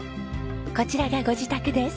こちらがご自宅です。